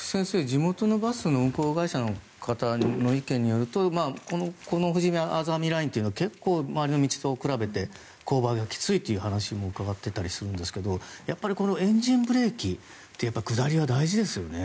地元のバスの運行会社の方の意見によるとこのふじあざみラインは結構、周りの道と比べて勾配がきついという話も伺っていたりしますがやっぱりエンジンブレーキって下りは大事ですよね。